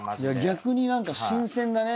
逆に何か新鮮だね。